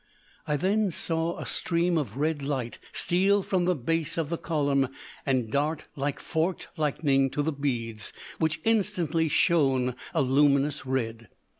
I then saw a stream of red light steal from the base of the column and dart like forked lightning to the beads, which instantly shone a luminous red.